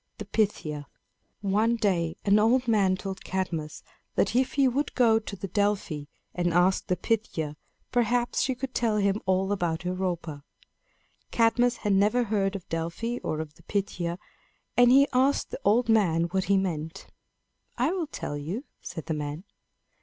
THE PYTHIA. One day an old man told Cadmus that if he would go to Delphi and ask the Pythia, perhaps she could tell him all about Europa. Cadmus had never heard of Delphi or of the Pythia, and he asked the old man what he meant. "I will tell you," said the man.